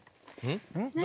何？